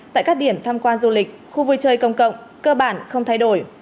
tại các điểm tham quan du lịch khu vui chơi công cộng cơ bản không thay đổi